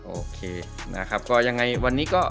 โอเคนะครับก็ยังไงวันนี้ก็